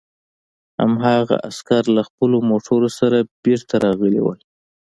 هماغه عسکر له خپلو موټرو سره بېرته راغلي وو